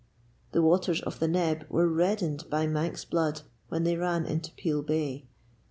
The waters of the Neb were reddened by Manx blood when they ran into Peel Bay.